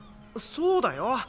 そうだよ。